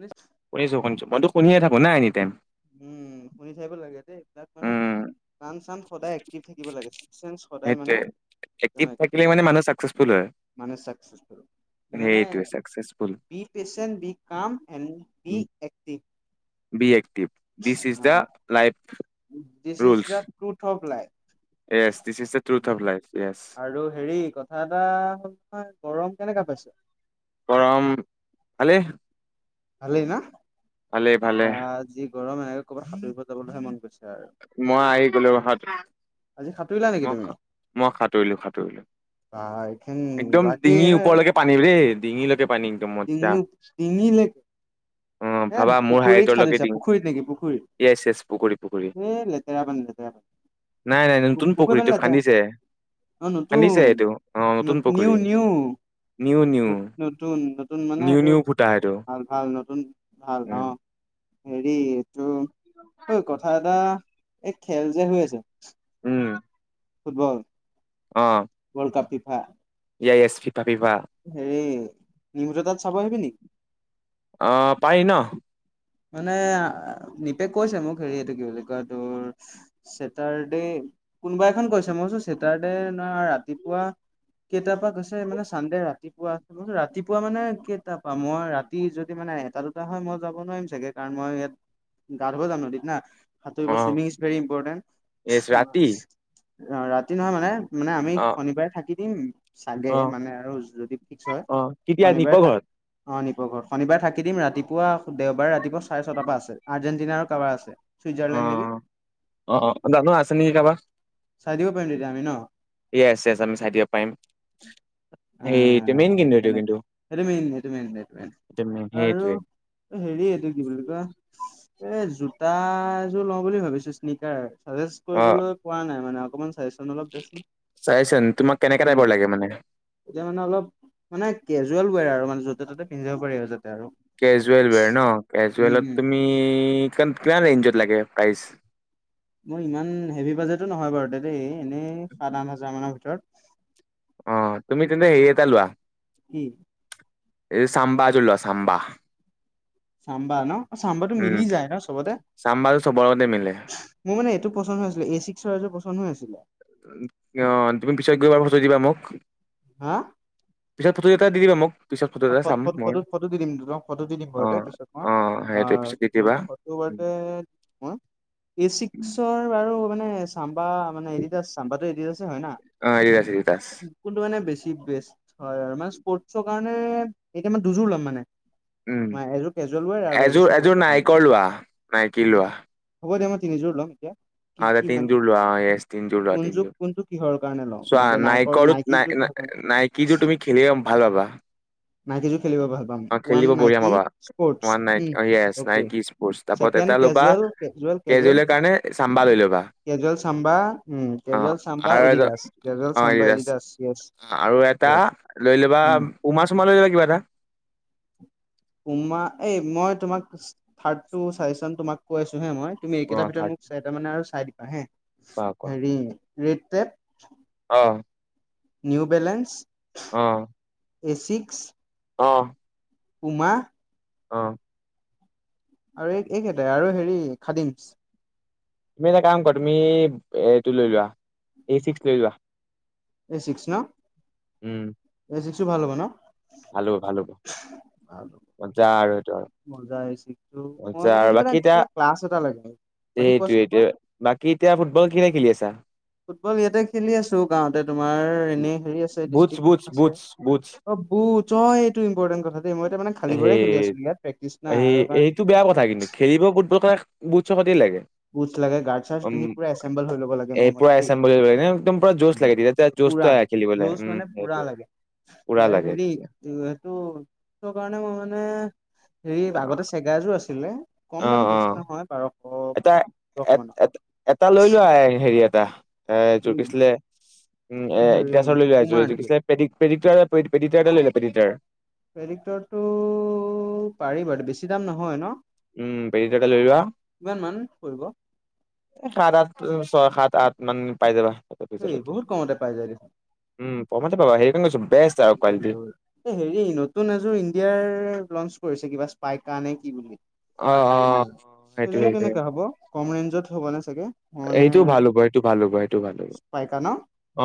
নিশ্চয়। শুনিছো শুনিছো মইতো শুনিয়ে থাকো ন এনিটাইম। উম শুনি থাকিব লাগে দেই সেইবিলাক মানে। উম কাম চাম সদায় এক্টিভ থাকিব লাগে চিক্সসেন সদায় মানে। সেইটোৱে এক্টিভ থাকিলে মানে মানুহ চাকচেছফুল হয়। মানে চকচেছফুল। মানে সেইটোৱে successful be passion be calm a be active. Be active this is the life. This is rules the truth of life. Yes this is the truth of life yes. আৰু হেৰি কথা। এটা কথা হ'ল নহয় গৰম কেনেকা পাইছ। গৰম ভালেই। ভালেই না ভালে ভালে বা যি গৰম এনেকে ক'ৰবাত সাঁতুৰিব যাবলৈহে মন গৈছে আৰু। মই আহি গলো হাতত। সাঁতুৰি লা নেকি? তুমি মই মই সাঁতুৰিলো সাঁতুৰিলো। বা এখিন একদম লাগে ডিঙি ন আৰু। ওপৰলৈকে পানী দেই ডিঙিলৈকে পানী একদম মজা ডিঙিলেকে অ হে ভাবা মোৰ পুখুৰীত হাইটৰলৈকে সাঁতুইছা ডিঙি পুখুৰীত নেকি পুখুৰীত। য়েছ য়েছ পুখুৰী পুখুৰী সেই লেতেৰা পানী লেতেৰা। নাই নাই পু নতুন পুখুই পুখুৰীটো পানীও লেতেৰা খান্দিছে অ নতু খান্দিছে এইটো অ নতুন নতু। নিউ পুখুৰী নিউ। নিউ নিউ নতুন নতুন মানে নিউ এইটো নিউ ফুটা সেইটো ভাল ভাল নতুন ভাল উম অ। হেৰি এইটো ঐ কথা এটা এই খেল যে হৈ আছে। উম। ফুটবল। অ। World cup FIFA. ই য়েছ এছ ফিফা ফিফা। হেৰি নিউজ তাত চাব আহিবি নেকি? অ পায়ি ন। মানে নিপে কৈছে মোক হেৰি এইটো কি বুলি কয় তোৰ। ছেটাৰ্ডে কোনোবা এখন কৈছে মইচো ছেটাৰডে নহয় ৰাতিপুৱা। কেইটাৰ পৰা গৈছে মানে চানডে ৰাতিপুৱা ৰাতিপুৱা মানে কেইটাৰ পৰা মই ৰাতি। ই যদি মানে এটা দুটা হয় মই যাব নোৱাৰিম চাগে কাৰণ মই ইয়াত গা ধুব যাম নদীত না। সাঁতুৰিব অ চুইমিং ইজ ভেৰি য়েছ ৰাতি ইম্পৰটেণ্ট ৰাতি নহয় মানে। মানে আমি অ শনিবাৰে থাকি দিম। চাগে অ মানে আৰু যদি ফিক্স হয় অ কেতিয়া নিপ শনিবাৰে থাকে ঘৰত অ নিপঘৰ শনিবাৰে থাকে। কেইদিন অ ৰাতিপুৱা দেওবাৰ ৰাতিপুৱা চাৰে ছটা পৰা আছে আৰ্জেণ্টিনা কাৰোবাৰ আছে ছুইজাৰলেণ্ড নেকি। অ অ জানো আছে নেকি কাবা। চাই দিব পাৰিম তেতিয়া আমি ন। য়েছ য়েছ আমি চাই দিব পাৰিম সেইটো মেইন আহ কিন্তু এইটো তেনে এ কিন্তু সেইটো মেইন সেইটো মেইন এইটো মেইন আৰু। সেইটোৱে এ হেৰি এদিন। কি বুলি কয় এই জোতা এযোৰ লওঁ বুলি ভাবিছো স্নিকাৰ। অ কৰিবলৈ পোৱা নাই মানে অকমান চাগেচন অলপ দেচোন। চাইচোন তোমাক কেনেকা টাইপৰ লাগে মানে তেতিয়া মানে অলপ মানে কেজুৱেল হয় আৰু মানে য'তে ত'তে পিন্ধাব পাৰি আৰু যাতে আৰু। কেজুৱেল ন, উম কেজুৱেলত উম তুমি কিমান ৰেঞ্জত লাগে প্ৰাইচ? মোৰ ইমান হেভি বাজেটো নহয় বাৰু দেই এনেই সাত আঠ হাজাৰ মানৰ ভিতৰত। অঁ তুমি তেন্তে হেৰি এটা লোৱা, - কি? এই ছাম্বাজোৰ লোৱা ছাম্বা। ছাম্বা ন, ছাম্বা টো উম মিলি যায় ন চবতে। চাম বাৰু চবৰ লগতে মিলে মোৰ মানে এইটো পচন্দ হৈ আছিলে এ চিক্স চাৰ্জৰ পচন্দ হৈ আছিলে। অঁ তুমি পিছত গৈ বাৰু ফটো দিবা মোক। হা? পিছত ফটোকেইটা দি দিবা মোক। পিছত ফটো অঁ এটা চাম মই ফটোত ফটো দি দিম, তোমাক ফটো দি দিম অ ঘৰতে পিছত মই। অ সেইটোৱে অঁ পিছত দি মোৰ দিবা ফটো মানে মোৰ। এ চিক্সৰ বাৰু মানে চাম্বাৰ- মানে এডিডাছ, চাম্বাটো এডিডাছে হয় না। অ এডিডাছ এডিডাছ কোনটো মানে বেছি বেষ্ট হয় মানে স্পৰ্টৰ কাৰণে এতিয়া মানে দুযোৰ ল'ম মানে। উম, এযোৰ কেজুৱেল ৱেৰ আৰু এযোৰ এযোৰ স্পৰ্টছৰ কাৰণে নাইকৰ লোৱা নাইকী লোৱা। হ'ব দে, মই তিনিযোৰ লম এতিয়া। কি আ কি তিন মানে যোৰ লোৱা অঁ এছ, তিন যোৰ লোৱা কোনযোৰ কোনটো কিহৰ কাৰণে লওঁ মানে চোৱা এতিয়া নাইকৰ নাইৰ নাইকিযোৰ কিহৰ কাৰণে নাই নাইক- কি যোৰ তুমি খেলিম ভাল পাবা? নাইকীটো খেলিব ভাল। পাম অঁ ওৱান খেলিব বঢ়িয়া নাইকি পাবা, স্পৰ্টছ ৱান নাইক উম অঁ ইয়েছ অকে নাইকি স্পৰ্ট তাপত ছেকেণ্ড এটা ল'বা- কেজুৱেল কেজুৱেল কেজুৱেল কেজুৱেলৰ কাৰণে চাম্বা লৈ ল'বা। কেজুৱেল চাম্বা উম, অ কেজুৱেল চাম্বা আৰু এযোৰ এডিডাস, কেজুৱেল অ চাম্বা এডিডাছ এডিডাস ইয়েছ। আৰু এটা লৈ ল'বা উমা চুমা লৈ লবা কিবা এটা। উমা, এই মই তোমাক থাৰ্ডটো চাগেচন তোমাক কৈ আছো হে মই, তুমি একেটাৰ অ' ভিতৰত থাৰ্ড মোক- মানে আৰু চাই দিবা হে পা হেৰি ৰেটপেট। অঁ। New Balance. অঁ। এ চিক্স, - অঁ। পুমা, - অঁ। আৰু এই এইকেইটাই আৰু হেৰি খাদিমছ। তুমি এটা কাম কৰা তুমি এইটো লৈ লোৱা এ চিক্স লৈ লোৱা। এ চিক্স ন, এ চিক্সো ভাল হ'ব ন। ভালো ভালো মজা আৰু সেইটো আৰু। মজা এ চিক্সটো। মই মজা মানে কিবা এটা কিবা ক্লাছ এটা লাগে। বাকী কোৱাচোন কোৱা এইটোৱেটো, বাকী এতিয়া ফুটবল কেতিয়া খেলি আছা? ফুটবল ইয়াতে খেলি আছো গাঁৱতে তোমাৰ- বুটছ বুটছ বুটছ বুটছ। [unintelligible] সেই আছিলো ইয়াত প্ৰেক্টিচ নাই সেই আৰু মানে সেইটো বেয়া কথা কিন্তু খেলিব ক বুট চখতেই লাগে। বুটছ লাগে, গাৰ্চ চাৰ্চ পিন্ধি উম, পুৰা এছেম্বল হৈ ল'ব লাগে মোৰ মতে দেই। [unintelligible] একদম পুৰা জোছ লাগে পুৰা [unintelligible] খেলিবলে, যুজ উম, মানে পুৰা সেইটোয়ে, লাগে পুৰা লাগে হেৰি তেতিয়া এইটো ত কাৰণে মই মানে, হেৰি অ আগতে চেগাৰজোৰ আছিলে অ কম দামী অ বেছি নহয় বাৰশ পোন্ধৰশ এটা, এ, মানৰ এ, এটা লৈ লোৱা হেৰি এটা, এ জোৰকিছিলে উম, এ, [unintelligible] হেৰি পুমাৰ এযোৰ নেকি কি আছিলে [unintelligible] প্ৰেডিক্টৰটো পাৰি বাৰ, বেছি দাম নহয় ন? উম, প্ৰেদিক্টৰ এটা লৈ লোৱা কিমান মান পৰিব [unintelligible] ছয়, সাত, আঠমান পাই যাবা। তাতে সেই ভিতৰতে বহুত কমতে পাই যায়গে উম পম পাবা সেইকাৰণ কৈছোঁ বেষ্ট আৰু উ কোৱালিটি ল [unintelligible] হেৰি নতুন এযোৰ ইণ্ডিয়াৰ লঞ্চ কৰিছে কিবা স্পাইকা নে কি বুলি অ অ তোমাৰ, সেইটো সেইযোৰ সেইটোৱে কেনেকা হ'ব, কম ৰেঞ্জত হ'ব নে চাগে? মানে এইটো ভাল হ'ব, এইটো ভাল হ'ব, এইটো ভাল হ'ব। স্পাইকা ন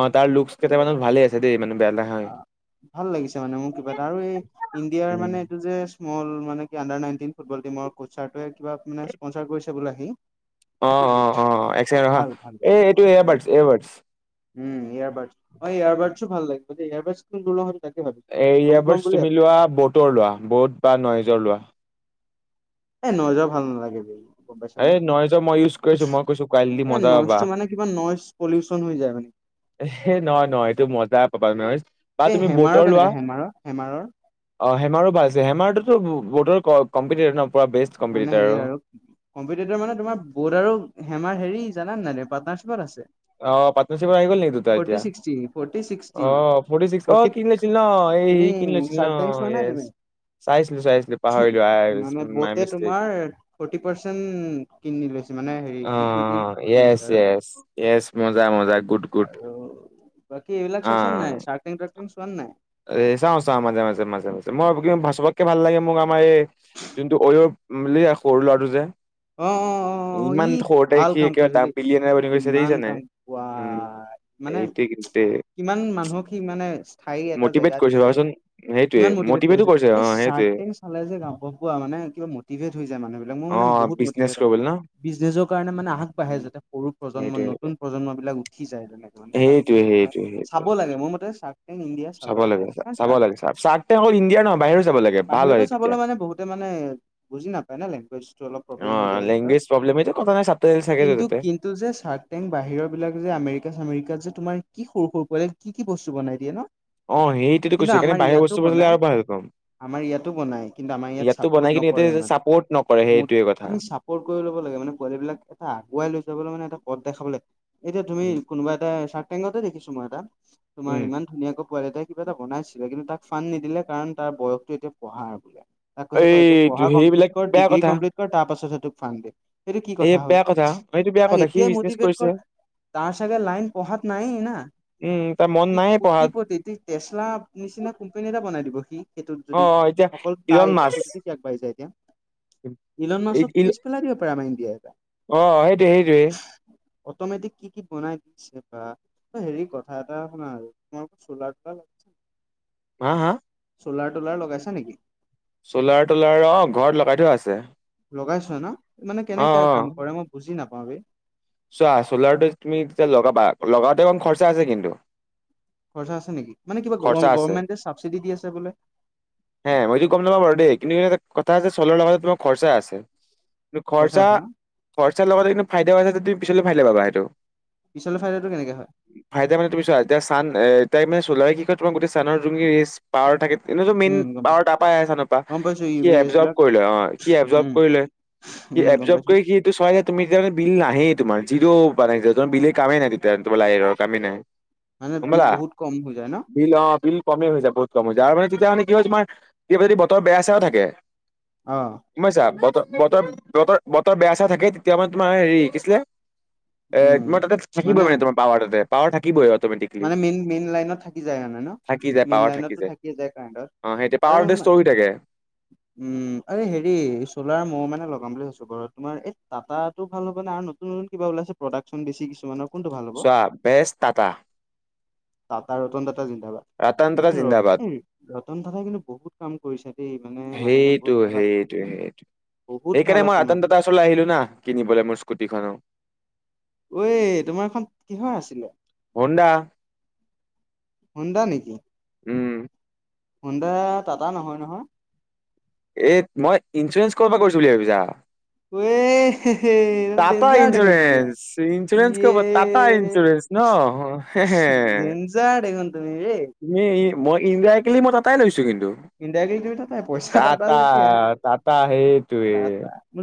অ', তাৰ লুক কেইটামান ভালে আছে দেই মানে বেয়া লা অ', ভাল লাগিছে মানে মোৰ কিবা এটা, আৰু এই ইণ্ডিয়াৰ উম মানে এইটো যে মল মানে, কি আণ্ডাৰ নাইনটিন ফুটবল টিমৰ কোচাৰটোৱে কিবা মানে স্পনচাৰ কৰিছে বুলি আহি অ', অ', অ', এক ছেকেণ্ড ৰখ হা, ভাল ভাল এইটো এয়াৰবাৰ্ডছ, এয়াৰবাৰ্ডছ উম, এয়াৰবাৰ্ডছ, এয়াৰবাৰ্ডচো ভাল [unintelligible] এ, ল'ম ইয়াৰ ল'ম বাদছ বুলি তুমি আছো। লোৱা, ব'টৰ লোৱা, ব'ট বা নয়জৰ লোৱা এ নইছৰ ভাল নালাগে। গম পাইছানে এ নইছৰ মই ইউজ কৰিছোঁ, মই কৈছো কোৱালিটী মজা পাবা। কিমান নইচ পলিউচন হৈ যায় মানে। এ, নহয়, নহয়, এইটো মজা পাবা, নহয় বা এই তুমি হেমাৰৰ বডৰ লোৱা কেনেকা হেমাৰৰ হেমাৰৰ অ', হেমাৰো ভাল আছে, হেমাৰতো বৰ্ডৰ কম্পিটিট ন? পুৰা বেষ্ট মানে কম্পিটিটৰ হেৰি আৰু কম্পিটিটৰ মানে, তোমাৰ বৰ্ড আৰু হেমাৰ হেৰি জানা নে নাই পাৰ্টনাৰশ্বিপত আছে। অ', পাৰনাৰশ্বিপ আহি গ'ল নেকি দুটা ফৰ্টি এতিয়া, ছিক্সটি, ফৰ্টি ছিক্সটি, অ', ফৰ্টিচিক্চ ফৰ্টি অ' কিনি লছিল ন, এই সি কিনি উম লছিল চাৰ্ক ন, টেংক চোৱা নাই তুমি? ইয়েছ। চাইছিলোঁ, চাইছিলোঁ পাহৰিলোঁ, অ' তুমাৰ ফটি পাৰ্চেন্ কিন লৈছে মানে হেৰি অ', ইকুইটি অ', কিনিছে ইএছ আৰু। ইএছ, ইএছ, মজা, মজা, গুড, গুড। বাকি এইবিলাক অ চাইছানে অ নাই, চাৰ্টি টাৰটিং শন নাই? এ, চাওঁ, চাওঁ, মাজে মাজে, মাজে মাজে, মই কি সবতকে ভাল লাগে মোক আমাৰ এই যোনটো অয়ৱ সৰু ল'ৰাটো যে অ', অ', অ'। অ', ই ইমান সৰতে ভাল সি কাম একেবাৰে কৰিছে দাম দেই বিলিয়ানী বন গৈছে ইমান দেখিছানে কাম নাই? উম ৱাই মানে সেইতি কিন্তুেই কিমান মানুহক সি মানে স্থায়ী এটা মটিভেট জেগা কৰিছে, দিছে। ভাবাচোন, সেইটোৱে কিমান মটিভেট মটিভেটো কৰিছে। অ এই সেইটোৱে চাৰ্টে চালে যে গা পোৱা মানে কিবা মটিভেট হৈ যায় মানুহ বিলাক মোৰ মানে বহুত নেশ মটিভেট হয় গবল ন? বিজনেছৰ কাৰণে মানে আগবাঢ়ে যাতে সৰু প্ৰজন্ম, সেইটোৱে নতুন প্ৰজন্ম বিলাক উঠি যায়। সেইটোৱে যেনে সেইটোৱে সেইটোৱে চাব লাগে মোৰ মতে চ ইণ্ডিয়া চাব লাগে, চাব লাগে চাৰ্ক টেংক অকল ইণ্ডিয়াৰ নহয় বাহিৰো চাব লাগে ভাল হয় বাহিৰতো তেতিয়া চাবলৈ মানে বহুতে মানে বুজি নাপায় না লেংগেজটো অলপ। প্ৰব্লেম অ হৈ যায় সিহঁতৰ লেংগুৱেজ প্ৰব্লেম এ [unintelligible] কথা নাই ছাপ্ত দ চাকাইেো তয়াতে এইটো যে চাৰ্ক টাইম বাহিৰৰ বিলাক যে আমেৰিকা চামেৰিকাত যে তোমাৰ কি সৰু সৰু পোৱালে কি কি বস্তু বনাই দিয়ে ন। অ সেইটো কৈছোঁ কিন্তু সেইকাৰণে আমাৰ বাৰে ইয়াতো বস্তুৰ চালে বনাই আৰু ভালে পাওঁ। আমাৰ ইয়াতো বনাই কিন্তু আমাৰ ইয়াত চাপৰ্ট কিনে ইয়াতে নকৰে ইমান চাপৰ্ট নকৰে সেইটোৱে কথা। আমি চাপৰ্ট কৰি ল'ব লাগে মানে পোৱালি বিলাক এটা আগুৱাই লৈ যাবলৈ মানে এটা পথ দেখাব লাগে। এতিয়া তুমি উম, কোনোবা এটা চাৰ্ট টেংগতে দেখিছোঁ মই এটা তোমাৰ উম। ইমান ধুনীয়াকৈ পোৱালি এটাই কিবা এটা বনাইছিলে কিন্তু তাক ফানণ্ড নিদিলে কাৰণ তাৰ বয়সটো এতিয়া পঢ়াৰ বোলে। তাক কৈছে তই এতিয়া এইটো পঢ়া কমপ্লিট সেইবিলাক কৰ বেয়া ডিগ্ৰী কথা। কমপ্লিট কৰ তাৰ পাছতহে তোক ফান দিম, সেইটো কি এই কথা হ'ল বেয়া এইটো বেয়া তাক কথা সি এতিয়াই বিজনেচ মটিভেট কৰিছে কৰ। তাৰ চাগে লাইন পঢ়াত নাই না। উম তাৰ মন নাই পঢ়াত। তেচলা নিচিনা কোম্পানী এটা বনাই দিব সি সেইটোত যদি অ', এতিয়া অকল তাই ইলন মাছ [unintelligible] গাঢি যছে এতিয়া ইলন মাছক পিছ পেলাই দিব পাৰো আমাৰ ইণ্িয়া এটা অ সেইটোৱে সেইটোৱে। অটমেটিক কি কি বনাই দিছে বা। হেৰি কথা এটা শুনা আৰু তোমাৰ চোলা তোলা লাগিছে [unintelligible] হা হা চ'লাৰ টলাৰ লগাইছা নেকি। চ'লাৰ টলাৰ অ ঘৰত লগাই থোৱা আছে। লগাইছা ন, মানে অ', কেনেকা অ', কাম কৰে মই বুজি নাপাও বে। চোৱা চ'লাৰটো তুমি যেতিয়া লগাবা লগাওতে অকন খৰচা আছে কিন্তু। খৰচা আছে নেকি, মানে কিবা খৰচা আছে গভমেণ্টে চাবচিডি দি আছে বোলে। হে সেইটোও কম নহয় বাৰু দেই কিন্তু এটা কথা আছে চ'লাৰ লগাওঁতে তোমাৰ খৰচা আছে। কিন্তু খৰচা আছে ন? খৰচা লগতে কিন্তু ফাইদাও আছে তুমি পিছলে ফাইলে পাবা সেইটো। পিছলে ফাইডাৰটো কেনেকে হয়। ফাইদা মানে তুমি চোৱা এতিয়া চান এ তাই মানে চ'লাৰলে কি কয় তোমাৰ গোটেই চানৰ জুঙিচ পাৱাৰ থাকে এনেতো মেইন উম, গম পাৱাৰ পাইছোঁ, তাৰ পৰা আহে চাদপা। গম পাইছোঁ ইউ সি ভি ৰেছ এবজৰ্ভ বিলাক, কৰি লয় অহ, সি এবজৰ্ভ উম, কৰি লয় সি উম, গম এবজৰ্ভ পাইছোঁ। কৰি সি তটো চয়াইজ তুমিতি কাৰ বিল ন [unintelligible] তোমাৰ যিটো বনাই তাৰ বিলেই কামেই নাই তোমাৰ তোমাৰ লাইনৰ কামেই নাই। মানে গম বিল পালা বহুত কম হৈ যায় ন। বিল অ বিল কমেই হৈ যায় বহুত কম হৈ যায়, আৰু মানে তেতিয়া মানে কি হয় হৈছে তোমাৰ এতিয়া যদি বতৰ বেয়া চেয়াও থাকে অ গম পাইছা বতৰ বতৰ বতৰ বতৰ বেয়া চেয়া থাকে তেতিয়া মানে তোমাৰ হেৰি কিছিলে এ উম। তোমাৰ তাতে থাকিবই মানে তোমাৰ পাৱাৰ তাতে পাৱাৰ থাকিবই তাত। মানে মেইন মেইন লাইনত থাকি যায় মানে ন থাকি যায় মেইন পাৱাৰ থাকি লাইনতটো থাকিয়ে যায় কাৰেণ্টত। অ সেইটোৱে আৰু পাৱাৰ [unintelligible] ষ্টৰি থাকে [unintelligible] উম আৰে হেৰি চ'লাৰ মই মানে লগাম বুলি ভাবছো ঘৰত তোমাৰ এই টাতাটো ভাল হ'ব না আৰু নতু নতুন নতুন কিবা ওলাইছে প্ৰডাকশ্যন বেছি কিছুমানত। চোৱা বেছ টাটা। টাটা ৰতন টাটা জিন্দাবাদ, ৰতন টাটা কিন্তু জিন্দাবাদ ৰ ৰতন টাটাই কিন্তু বহুত কাম কৰিছে দেই মানে মানুহজন সেইটো বহুত ভাল সেইটো আছিল বহুত ভাল আছিল মানুহ। চলাই আহিলো না কিনিবলৈ মোৰ স্কুটিখননো। ঐ তোমাৰ এখন কিহৰ আছিলে। হুনডা। হুনদা নেকি? উম হুনদা টাটা নহয় নহয়। এই মই ইঞ্চুৰেঞ্চ ক'ৰ পৰা কৰিছোঁ বুলি ভাবিছাঁ। এহেহে। তেনে টাটা ডেঞ্জাৰ দেখোন তেনে ইঞ্চুৰেঞ্চ ইঞ্চুৰেঞ্চ ক'ৰ এই। পৰা টাটা ইঞ্চুৰেঞ্চ ন হেহে ডেঞ্জাৰ দেখোন তেনে এই। এই এই মই ইনডাইৰেক্টলি মই তাপাই লৈছোঁ কিন্তু। ইাইট ত তাই পইচা দা টাটা যেতিয়াোৰ টাটা সেইটোৱে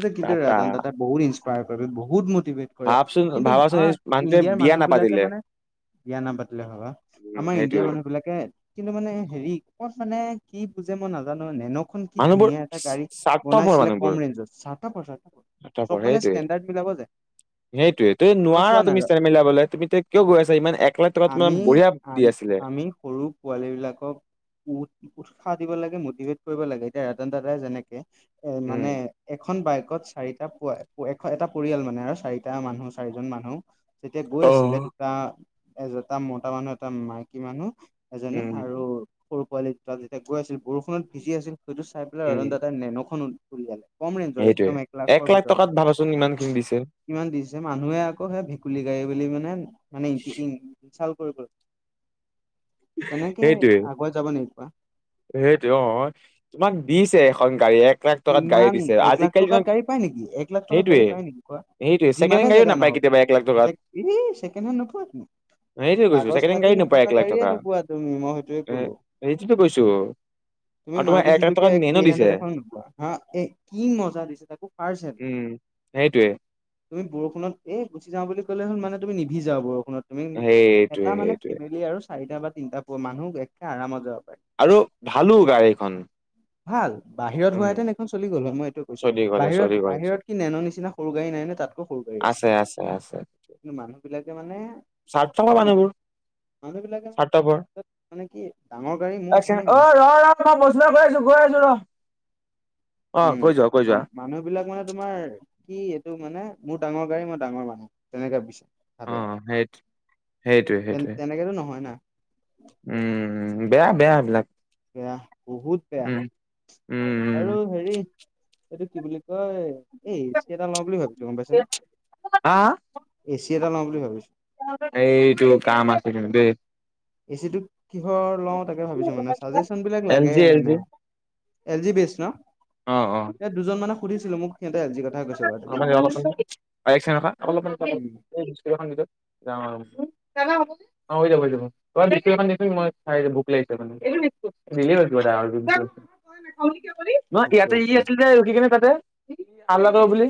যে কিন্তু টাটা ৰাান দাদা [unintelligible] বহুত ইনস্পায়াৰ কৰে বহুত মটিভেট কৰে ভাবচোন কিন্তু ভাবাচোন আমাৰ এই মানুহটোৱে ইণ্ডিয়াৰ বিয়া মানুহ বিলাকে নাপাতিলে মানে বিয়া নাপাতিলে ভাবা উম আমাৰ ইণ্ডিয়া সেইটোৱে মানুহ বিলাক। কে কিন্তু মানে হেৰি ক'ত মানে কি বুজে মই নাজানো মেহনত খন কি মানুহবোৰ ধুনীয়া এটা গাড়ী স্বাৰ্থপৰ বনাইছিলে মানুহবোৰ কম ৰেঞ্জত চাৰঠপৰ চাৰঠপৰ। চব মানে ষ্টেণ্ডাৰ্ড মিলাব যায়। সেইটোয়ে তই তোমাৰ নোৱাৰা চোৱা না তুমি ষ্টেন্ড মিলাবলৈ তুমি কিয় গৈ আছা ইমান এক লাখ টকা তোমাৰ আমি বঢ়িয়া। দি আম আছিলে আমি সৰু পোৱালী বিলাকক উ উৎসাহ দিব লাগে মটিভেট কৰিব লাগে এতিয়া ৰটন টাটাই যেনেকে এ উম মানে এখন বাইকত চাৰিটা এ এটা পৰিয়াল মানে আৰু চাৰিটা মানুহ চাৰিজন মানুহ যেতিয়া গৈ আছিলে এটা এটা মতা মানুহ এটা মাইকী মানুহ এজনী উম আৰু সৰু পোৱালি তাত যেতিয়া গৈ আছিল বৰষুণত ভিজি আছিল সেইটো চাই পেলাই উম ৰতন টাটাই নেনখন উলিয়ালে কম ৰেঞ্জ সেইটোৱে এক লাখ টকাত ভাবাচোন ইমান খিনি দিছে। ইমান দিছে মানুহে আকৌ সেই ভেকুলী গাড়ী বুলি মানে মানে ইটিকিং। ইঞাল কৰিব তেনেকে আগুৱাই যাব নেকি কোৱা। সেইটো অ তোমাক দিছে এখন গাড়ীয়ে। ইমান এক লাখ টকাত গাড়ী পায় নেকি? এক লাখ টকাত গাড়ী সেইটোৱে পায় নেকি কোৱা। সেইটোৱে ছেকেণ্ড যিমানে হেণ্ড গাড়ীও জেগা নাপায় নহওঁক। কেতিয়াবা এক লাখ টকাত এই ছেকেণ্ডহেণ্ড নোপোৱা তুমি। সেইটোৱে কৈছো কাগজ ছেকেণ্ড হেণ্ড পাতি গাড়ী নাপায় নথকা এক লাখ গাড়ীয়ে টকা নোপোৱা তুমি মই। সেইটোৱে এ ক'লো। সেইটোতো কৈছো তুমি আৰু তোমাৰ মাৰটি এক লাখ চুজুকি টকাত এইট নেনো দিছে হানডেত এখন নোপোৱা। আ এ কি মজা দিছে তাকো ফাষ্ট হেণ্ড। উম সেইটোৱে তুমি বৰষুণত এই গুচি যাওঁ বুলি কলে হ'ল মানে তুমি নিভিজা আৰু বৰষুণত। তুমি সেইটোৱে এটা মানে সেইটোৱে ফেমিলি আৰু চাৰিটা বা তিনিটা পোৱা মানুহ একে আৰামত যাব পাৰে। আৰু ভালো গাড়ীখন। ভাল বাহিৰত উম হোৱাহেঁতেন এইখন চলি গ'ল হয় মই এইটো কৈছো চলি গ'লে চলি বাহিৰত গ'লে বাহিৰত চলি কি। নেন' নিচিনা সৰু গাড়ী নাই নে তাতকৈ সৰু গাড়ী আছে কিন্তু মানুহ বিলাকে মানে। স্বাৰ্থপৰ মানুহবোৰ। মানুহবিলাকে স্বাৰ্থপৰ মানে কি ডাঙৰ গাড়ী মই আচ্ছা ধনী অ মানুহ। ৰ ৰ মই প্ৰশ্ন কৰি আছোঁ গৈ আছোঁ ৰহ। উম মা। মানুহ বিলাক মানে তোমাৰ কি এইটো মানে মোৰ ডাঙৰ গাড়ী মই ডাঙৰ মানুহ তেনেকে বিছে। অ ভাবে সেই সেইটোৱে সেইটোৱে তেনেকেতো নহয় না। উম বেয়া বেয়া এইবিলাক। বেয়া বহুত বেয়া উম উম উম আৰু হেৰি। এইটো কি বুলি কয় এই এচি এটা লওঁ বুলি ভাবিছো গম পাইছে নে। এচি এটা লওঁ বুলি ভাবিছো। এই তোৰ কাম আছে কিন্তু দে। এচিটো কিহৰ লওঁ তাকে ভাবিছো মানে চাজেচন বিলাক এল লাগে জি এল জি মানে। এল জি বেছ ন। অঁ অঁ। ইয়াত দুজন মানক সুধিছিলো মোক সিহঁতে এল জি কথা কৈছে বাৰু দেই। অলপমান অলপমান এক চেকেণ্ড ৰখা আৰু অলপমান পাতল উম এই বিস্কুত এখন দি দিয়ক যাওঁ আৰু দাদা হ'বগে। অ হৈ যাব হৈ যাব। অ বিস্কুত এখন দিয়ক চোন মই খাই ভোক লাগিছে মানে এইটো বিস্কুত দিলে হ'ল কিবা এটা আৰু তই নেখাৱ বুলি কিয় কলি নহয় অকে ইয়াতে ই অকে আছিল যে ৰখি কিনে তাতে ভাল লগৰ বুলি।